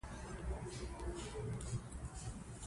ژبه د یو ملت د هوښیارۍ نښه ده.